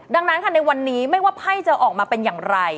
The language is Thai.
ดังนั้นค่ะในวันนี้ไม่ว่าไพ่จะออกมาเป็นอย่างไร